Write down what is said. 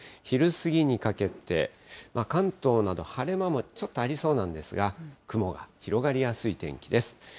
昼過ぎにかけて、関東など、晴れ間もちょっとありそうなんですが、雲が広がりやすい天気です。